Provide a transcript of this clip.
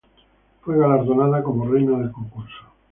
Fue galardonada como reina del concurso.